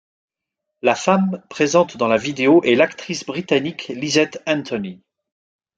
La femme présente dans la vidéo est l'actrice britannique Lysette Anthony.